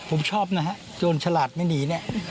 ผมชอบนะครับโจรชาลาดไม่หนี